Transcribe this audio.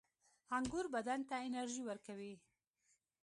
• انګور بدن ته انرژي ورکوي.